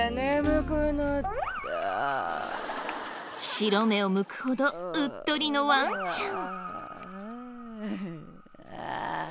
白目をむくほどうっとりのワンちゃん。